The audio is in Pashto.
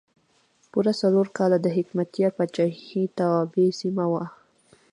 پوره څلور کاله د حکمتیار پاچاهۍ توابع سیمه وه.